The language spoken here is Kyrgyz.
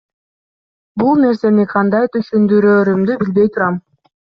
Бул нерсени кандай түшүндүрөөрүмдү билбей турам.